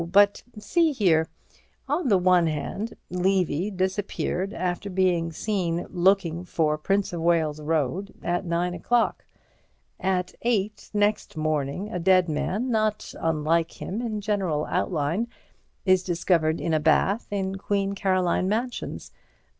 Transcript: But, see here. On the one hand, Levy disappeared after being last seen looking for Prince of Wales Road at nine o'clock. At eight next morning a dead man, not unlike him in general outline, is discovered in a bath in Queen Caroline Mansions.